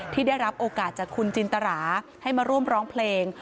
ที่ได้รับโอกาสจากคุณจินตราให้มาร่วมร้องเพลง